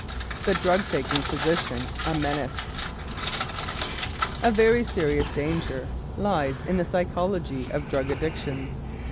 THE DRUG TAKING PHYSICIAN A MENACE A very serious danger lies in the psychology of drug addictions.